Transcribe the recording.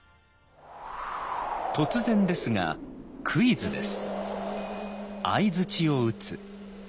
突然ですがクイズです。